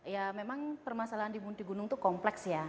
ya memang permasalahan di munti gunung itu kompleks ya